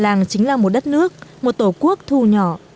làng chính là một đất nước một tổ quốc thù nhỏ